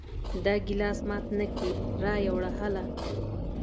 دا ګلاس مات نه کې را یې وړه هله!